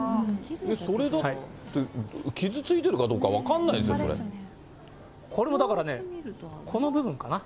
それだって、傷ついてるかどうか分かんないですよ、これもだからね、この部分かな。